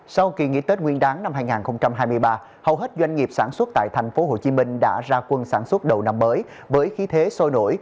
sau kỳ nghỉ tết nguyên đáng năm hai nghìn hai mươi ba hầu hết doanh nghiệp sản xuất tại thành phố hồ chí minh đã ra quân sản xuất đầu năm mới với khí thế sôi nổi